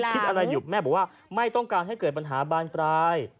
คุณแม่คิดอะไรอยู่แม่บอกว่าไม่ต้องการให้เกิดปัญหาบ้านไป